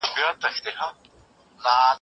دا هیله مه کوه چي بیرته به یې سر ته راسي